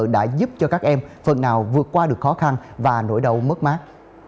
đã giúp cho các em phần nào vượt qua được khó khăn và nỗi đau mất mát